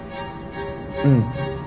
うん。